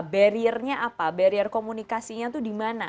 barriernya apa barrier komunikasinya itu di mana